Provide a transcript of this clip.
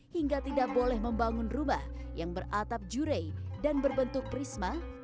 hingga tidak boleh membangun rumah yang beratap jurei dan berbentuk prisma